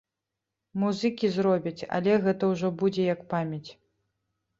Музыкі зробяць, але гэта ўжо будзе як памяць.